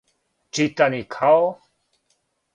читани као